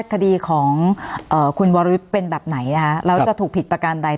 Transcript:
คดีของคุณวรวิทย์เป็นแบบไหนแล้วจะถูกผิดประการใด